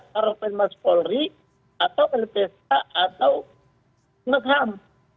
karopengmas polri atau lpsk atau komnas ham